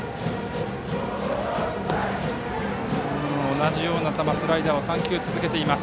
同じような球スライダーを３球続けています。